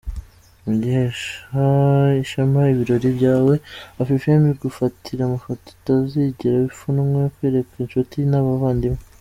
Mu guhesha ishema ibirori byawe, Afrifame igufatira amafoto utazagira ipfunwe kwereka inshuti n'abavandimwe.